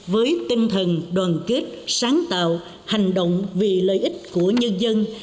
với tinh thần đoàn kết sáng tạo hành động vì lợi ích của nhân dân